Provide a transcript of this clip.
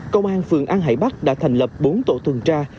công an phường an hải bắc đã thành lập bốn tổ tuần tra